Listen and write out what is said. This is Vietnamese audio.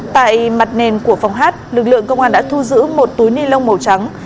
tại mặt nền của phòng hát lực lượng công an đã thu giữ một túi ni lông màu trắng